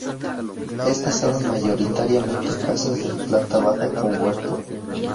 Estas eran, mayoritariamente, casas de planta baja con huerto.